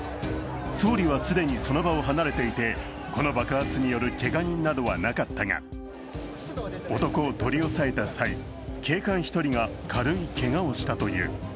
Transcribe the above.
総理は既にその場を離れていてこの爆発によるけが人などはなかったが、男を取り押さえた際、警官１人が軽いけがをしたという。